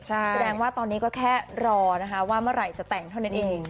แสดงว่าตอนนี้ก็แค่รอนะคะว่าเมื่อไหร่จะแต่งเท่านั้นเอง